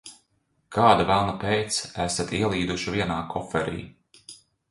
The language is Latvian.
Kāda velna pēc esat ielīduši vienā koferī?